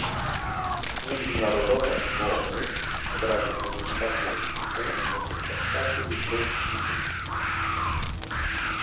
Międzynarodowe umowy w sprawie komunikacji lotniczej na mocy traktatu lizbońskiego